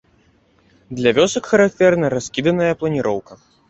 Для вёсак характэрна раскіданая планіроўка.